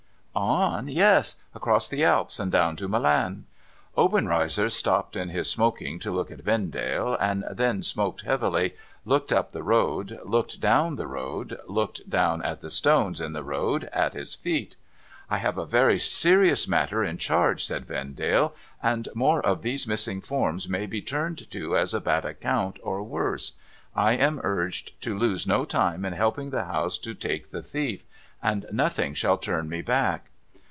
' On ? Yes. Across the Alps, and down to Milan.* Obenreizer stopped in his smoking to look at Vendale, and then smoked heavily, looked up the road, looked down the road, looked down at the stones in the road at his feet. * I have a very serious matter in charge,' said Vendale ;' more of these missing forms may be turned to as bad account, or worse ; I am urged to lose no time in helping the House to take the thief; and nothing shall turn me back.'